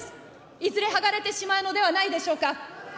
いずれ剥がれてしまうのではないでしょうか。